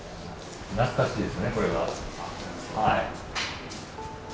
懐かしいですねこれは。はい。